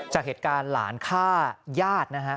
จากเหตุการณ์หลานฆ่าญาตินะฮะ